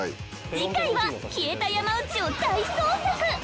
次回は消えた山内を大捜索！